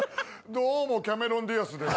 どうもキャメロン・ディアスです。